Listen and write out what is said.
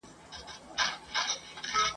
محتسب وړی قلم له نجونو !.